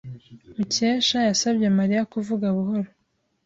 Mukesha yasabye Mariya kuvuga buhoro.